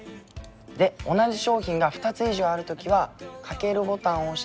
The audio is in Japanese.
で同じ商品が２つ以上ある時はかけるボタンを押して。